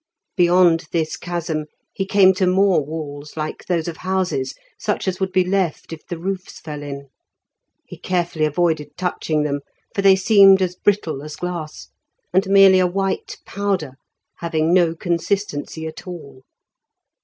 Beyond this chasm he came to more walls like those of houses, such as would be left if the roofs fell in. He carefully avoided touching them, for they seemed as brittle as glass, and merely a white powder having no consistency at all.